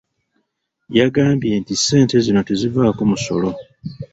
Yagambye nti ssente zino tezivaako musolo.